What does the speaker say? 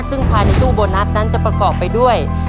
ซึ่งภายในตู้โบนัสนั้นจะประกอบไปด้วย